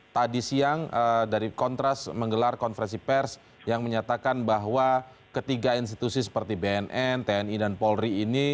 tadi siang dari kontras menggelar konferensi pers yang menyatakan bahwa ketiga institusi seperti bnn tni dan polri ini